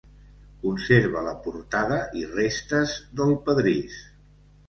Conserva la portada i restes del pedrís.